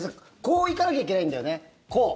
こう行かなきゃいけないんだよね、こう。